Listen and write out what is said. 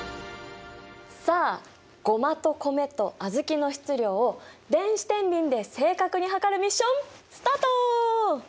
さあゴマと米と小豆の質量を電子てんびんで正確に量るミッションスタート！